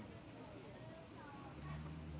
สวัสดีครับทุกคน